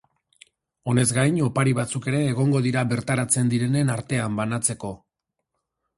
Honez gain, opari batzuk ere egongo dira bertaratzen direnen artean banatzeko.